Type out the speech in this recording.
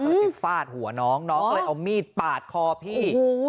มันไปฟาดหัวน้องน้องก็เลยเอามีดปาดคอพี่